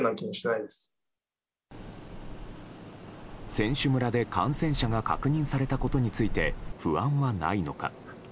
選手村で感染者が確認されたことについて不安はないのか。